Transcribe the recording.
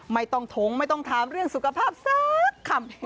ไม่ต้องถงไม่ต้องถามเรื่องสุขภาพสักคำ